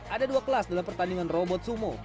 ada dua kelas dalam pertandingan robot sumo